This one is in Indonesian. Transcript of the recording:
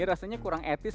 rasanya kurang etis